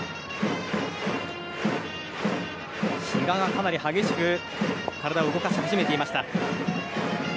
比嘉がかなり激しく体を動かし始めていました。